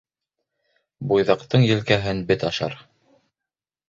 Буйҙаҡтың елкәһен бет ашар.